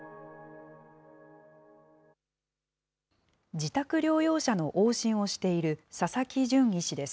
自宅療養者の往診をしている佐々木淳医師です。